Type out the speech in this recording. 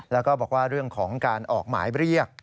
แล้วก็บอกว่าเรื่องของการออกหมายเรียก